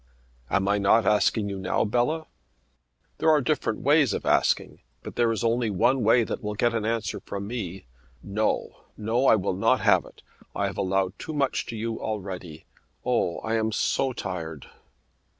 "Am I not asking you now, Bella?" "There are different ways of asking, but there is only one way that will get an answer from me. No; no. I will not have it. I have allowed too much to you already. Oh, I am so tired."